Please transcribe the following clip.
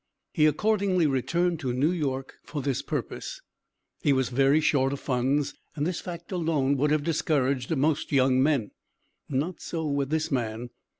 He accordingly returned to New York for this purpose. He was very short of funds, and this fact alone would have discouraged most young men; not so with this man.